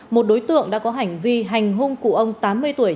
một đối tượng đã có hành vi hành hung cụ ông tám mươi tuổi